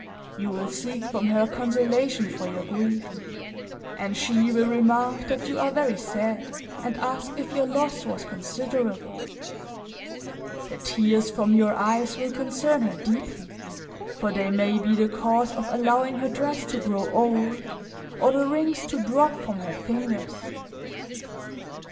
You will seek from her consolation for your grief, and she will remark that you are very sad and ask if your loss was considerable; the tears from your eyes will concern her deeply, for they may be the cause of allowing her dress to grow old or the rings to drop from her fingers.